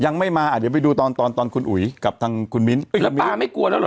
ยังไม่มาอ่ะเดี๋ยวไปดูตอนตอนตอนคุณอุ๋ยกับทางคุณมิ้นท์แล้วป้าไม่กลัวแล้วเหรอ